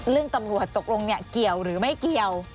ตำรวจตกลงเนี่ยเกี่ยวหรือไม่เกี่ยว